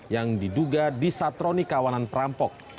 yang diduga disatroni kawanan perampok